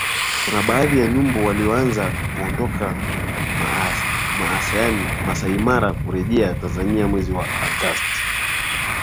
kuna baadhi ya nyumbu walioanza kuondoka Maasai Mara kurejea Tanzania mwezi Agosti